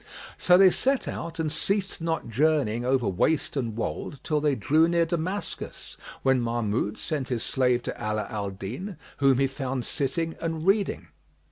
So they set out and ceased not journeying over waste and wold till they drew near Damascus when Mahmud sent his slave to Ala al Din, whom he found sitting and reading.